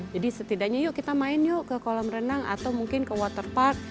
jadi setidaknya yuk kita main yuk ke kolam berenang atau mungkin ke water park